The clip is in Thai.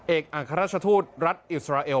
อัครราชทูตรัฐอิสราเอล